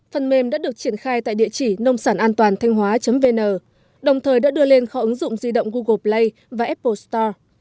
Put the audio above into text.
phần mềm đã được triển khai tại địa chỉ nông sản an toàn thanhhóa vn đồng thời đã đưa lên kho ứng dụng di động google play và apple store